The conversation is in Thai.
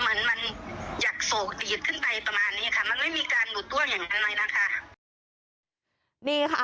เหมือนมันอยากโสดีตขึ้นไปประมาณนี้ค่ะมันไม่มีการหลุดตัวอย่างนี้นะคะ